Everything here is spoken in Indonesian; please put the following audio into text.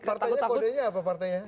partainya kode nya apa partainya